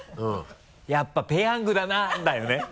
「やっぱペヤングだな」だよね？